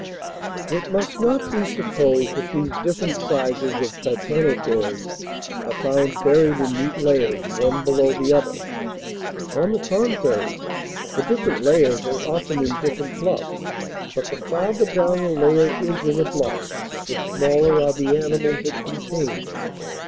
It must not be supposed that these different sizes of Titanotheres are found buried in neat layers, one below the other. On the contrary, the different layers are often in different bluffs. But the farther down a layer is in a bluff, the smaller are the animals it contains.